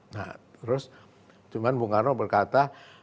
nah terus cuman bung karno berkata